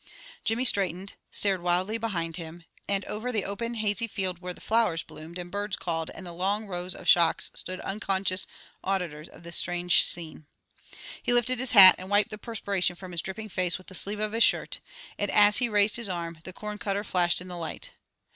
Jimmy straightened, stared wildly behind him, and over the open, hazy field, where flowers bloomed, and birds called, and the long rows of shocks stood unconscious auditors of the strange scene. He lifted his hat, and wiped the perspiration from his dripping face with the sleeve of his shirt, and as he raised his arm, the corn cutter flashed in the light.